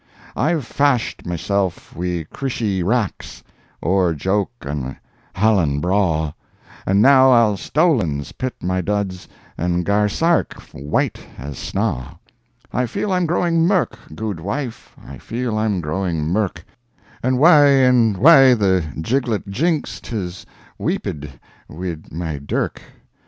I've fash 'd mysel' wi' creeshie rax O'er jouk an' hallan braw, An' now I'll stowlins pit my duds An' gar sark white as snaw. I feel I'm growing mirk, gude wife, I feel I'm growing mirk, An' wae an' wae the giglet jinks, Tis wheep ed wi' my dirk.